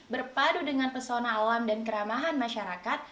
berpadu dengan pesona alam dan keramahan masyarakat